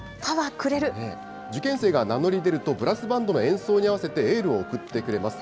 受験生が名乗り出ると、ブラスバンドの演奏に合わせてエールを送ってくれます。